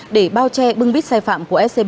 để bao che bưng vít sai phạm của scb